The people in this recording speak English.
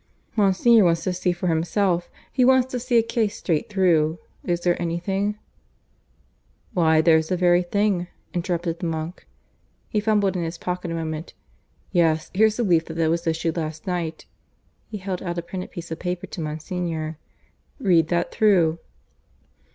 "Monsignor wants to see for himself. He wants to see a case straight through. Is there anything " "Why, there's the very thing," interrupted the monk. (He fumbled in his pocket a moment.) "Yes, here's the leaflet that was issued last night." (He held out a printed piece of paper to Monsignor.) "Read that through."